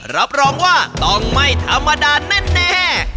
รับรองว่าต้องไม่ธรรมดาแน่